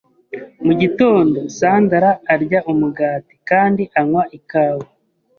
Mu gitondo, Sandra arya umugati kandi anywa ikawa.